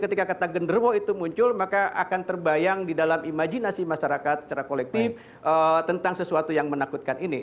ketika kata genderuwo itu muncul maka akan terbayang di dalam imajinasi masyarakat secara kolektif tentang sesuatu yang menakutkan ini